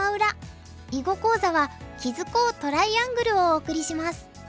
囲碁講座は「築こう！トライアングル」をお送りします。